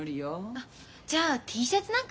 あっじゃあＴシャツなんか。